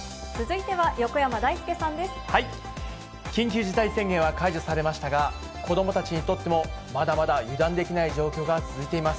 続いては横山だいすけさんで緊急事態宣言は解除されましたが、子どもたちにとっても、まだまだ油断できない状況が続いています。